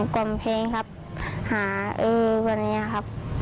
กลมเพลงครับหาเออวันนี้ครับ